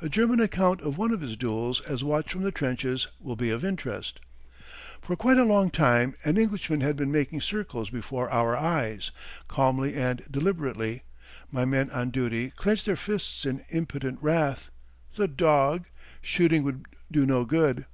A German account of one of his duels as watched from the trenches, will be of interest: For quite a long time an Englishman had been making circles before our eyes calmly and deliberately.... My men on duty clenched their fists in impotent wrath. "The dog !" Shooting would do no good.